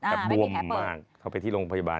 แต่บวมมากเข้าไปที่โรงพยาบาล